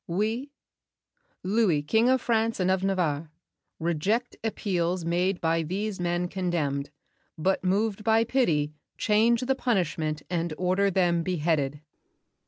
"We, Louis, King of France and of Navarre, Reject appeals made by these men condemned, But moved by pity, change the punishment And order them beheaded."